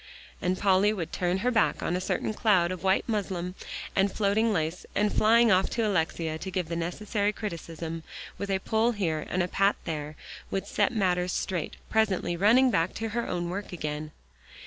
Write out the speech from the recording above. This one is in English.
And Polly would turn her back on a certain cloud of white muslin and floating lace, and flying off to Alexia to give the necessary criticism, with a pull here and a pat there, would set matters straight, presently running back to her own work again.